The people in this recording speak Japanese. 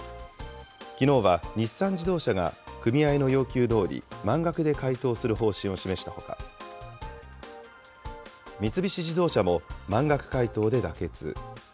きのうは日産自動車が、組合の要求どおり満額で回答する方針を示したほか、三菱自動車も満額回答で妥結。